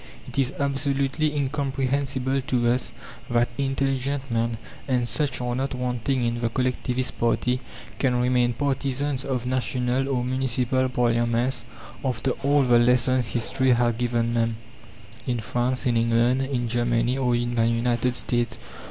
It is absolutely incomprehensible to us that intelligent men and such are not wanting in the collectivist party can remain partisans of national or municipal parliaments after all the lessons history has given them in France, in England, in Germany, or in the United States.